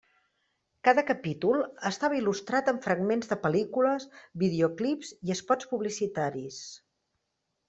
Cada capítol estava il·lustrat amb fragments de pel·lícules, videoclips i espots publicitaris.